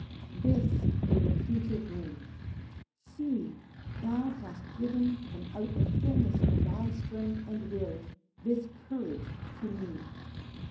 This will the future bring. See! Thou hast given From out the fulness of thy strength and will This courage to me.